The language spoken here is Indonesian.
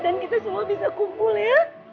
dan kita semua bisa kumpul ya